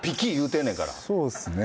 そうですね。